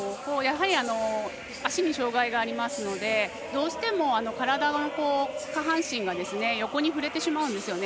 足に障がいがありますのでどうしても下半身が横に触れてしまうんですよね。